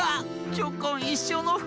チョコンいっしょうのふかく！